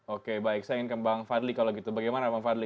oke baik saya ingin kembang fadli kalau gitu bagaimana pak fadli